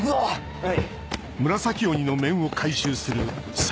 はい。